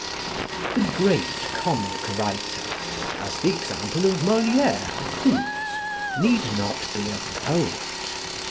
The great comic writer, as the example of Molière proves, need not be a poet.